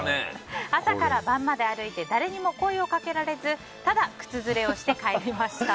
朝から晩まで歩いて誰にも声をかけられずただ、靴擦れをして帰りました。